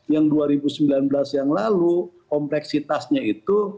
yang dua ribu sembilan belas yang lalu kompleksitasnya itu